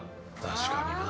確かにな。